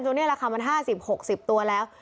จนราคามัน๕๐๖๐ตัวแล้ว